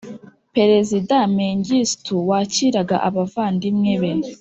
perezida mengistu wakiraga abavandimwe be